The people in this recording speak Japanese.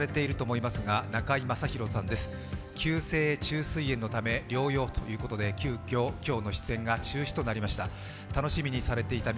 急性虫垂炎のため療養ということで、急きょ、今日の出演が中止となりました。